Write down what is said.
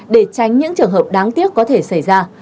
để tránh những trường hợp đáng tiếc có thể xảy ra